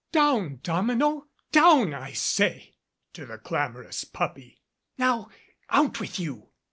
"Down, Domino! Down, I say!" to the clamorous puppy. "Now out with you!"